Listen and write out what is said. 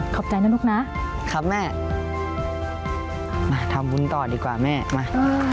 ขอบใจนะลูกนะมาทำวุ้นต่อดีกว่าแม่มา